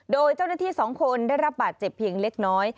โดยเจ้าหน้าที่๒คนได้รับบาดเจ็บเพียงเล็กน้อย